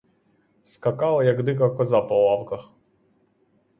Скакала, як дика коза, по лавках.